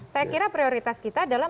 saya kira prioritas kita adalah